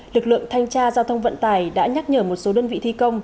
lực lượng thanh tra giao thông vận tải đã nhắc nhở một số đơn vị thi công